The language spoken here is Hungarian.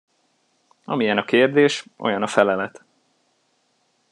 Amilyen a kérdés, olyan a felelet.